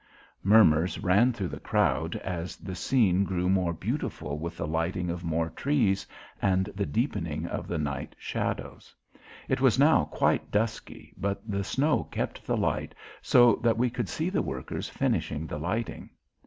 Murmurs ran thru the crowd as the scene grew more beautiful with the lighting of more trees and the deepening of the night shadows. It was now quite dusky, but the snow kept the light so that we could see the workers finishing the lighting.